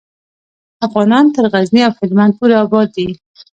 افغانان تر غزني او هیلمند پورې آباد دي.